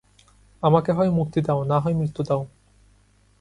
আমাকে হয় মুক্তি দাও না হয় মৃত্যু দাও।